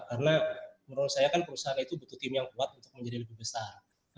karena menurut saya kan perusahaan itu butuh tim yang kuat untuk menjadi lebih besar